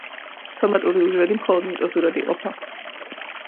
სომატური უჯრედი მხოლოდ მიტოზურად იყოფა.